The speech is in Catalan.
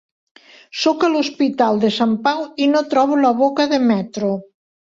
Sóc a l'Hospital de Sant Pau i no trobo la boca de metro!